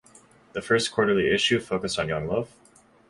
The first quarterly issue focused on young love.